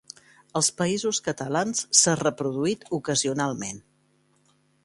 Als Països Catalans s'ha reproduït ocasionalment.